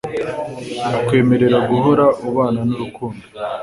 akwemerera guhora ubana nurukundo